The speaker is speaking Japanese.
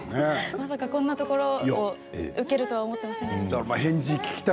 まさかこんなところを受けるとは思っていませんでした。